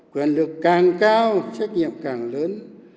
quyền lực càng cao trách nhiệm càng lớn